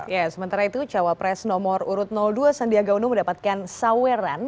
ya sementara itu cawapres nomor urut dua sandiaga uno mendapatkan saweran